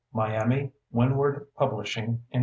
_ Miami: Windward Publishing, Inc.